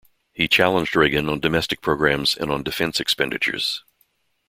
He challenged Reagan on domestic programs and on defense expenditures.